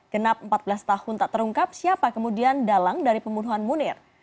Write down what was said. genap empat belas tahun tak terungkap siapa kemudian dalang dari pembunuhan munir